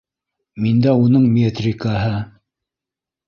Миндә уның метрикаһы!